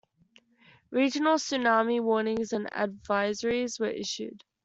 Regional tsunami warnings and advisories were issued.